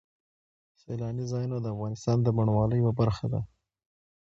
سیلاني ځایونه د افغانستان د بڼوالۍ یوه برخه ده.